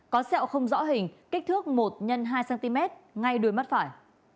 có sẹo không rõ hình kích thước một x hai cm ngay đuôi mắt phải